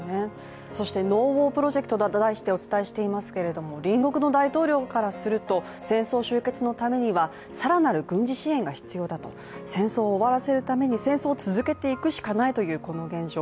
「ＮＯＷＡＲプロジェクト」と題してお伝えしていますけども隣国の大統領からすると戦争終結のためには更なる軍事支援が必要だと、戦争を終わらせるために戦争を続けていくしかないというこの現状。